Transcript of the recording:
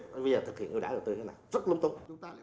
bây giờ thực hiện ưu đãi đầu tư như thế này rất lung tung